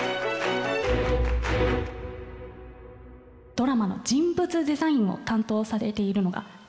ドラマの人物デザインを担当されているのが柘植さんです。